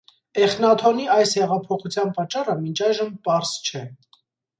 Էխնաթոնի այս հեղափոխության պատճառը մինչ այժմ պարզ չէ։